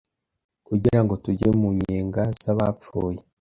Kugira ngo tujye mu nyenga z'abapfuye